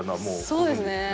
そうですね。